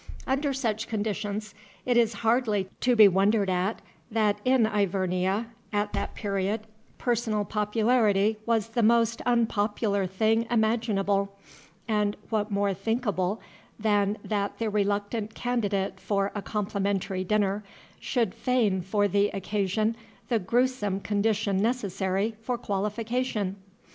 Under such conditions it is hardly to be wondered at that in Ivernia, at that period, personal popularity was the most unpopular thing imaginable, and what more thinkable than that the reluctant candidate for a complimentary dinner should feign for the occasion the grewsome condition necessary for qualification.